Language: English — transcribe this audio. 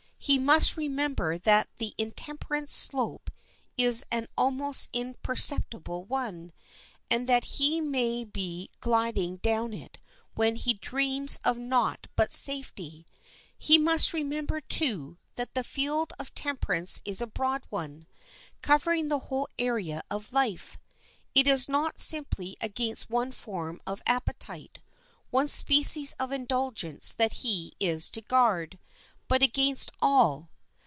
He must remember that the intemperance slope is an almost imperceptible one, and that he may be gliding down it when he dreams of naught but safety. He must remember, too, that the field of temperance is a broad one, covering the whole area of life. It is not simply against one form of appetite, one species of indulgence that he is to guard, but against all.